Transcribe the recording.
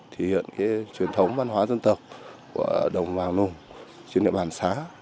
thể hiện cái truyền thống văn hóa dân tộc của đồng bào nùng trên địa bàn sa